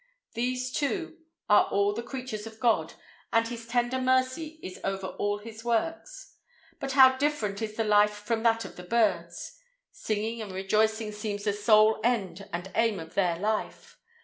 These, too, are all the creatures of God, and His "tender mercy is over all His works;" but how different is their life from that of the birds! Singing and rejoicing seems the sole end and aim of their life.